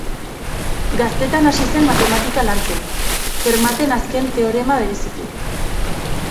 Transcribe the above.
Gaztetan hasi zen matematika lantzen, Fermaten azken teorema bereziki.